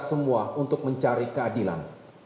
semua untuk mencari keadilan